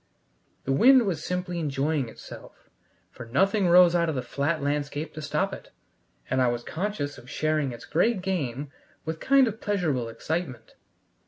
The wind was simply enjoying itself, for nothing rose out of the flat landscape to stop it, and I was conscious of sharing its great game with a kind of pleasurable excitement.